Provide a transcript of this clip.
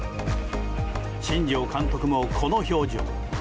新庄監督も、この表情。